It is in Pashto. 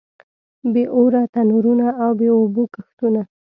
بې اوره تنورونه او بې اوبو کښتونه.